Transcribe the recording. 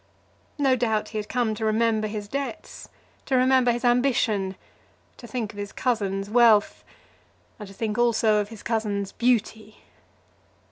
No doubt he had come to remember his debts, to remember his ambition, to think of his cousin's wealth, and to think also of his cousin's beauty.